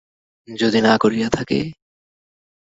যদি না করিয়া থাকে?